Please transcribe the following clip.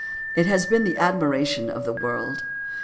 It has been the admiration of the world.